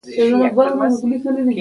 د ارزښتونو د جګړې مو اورېدلي وو.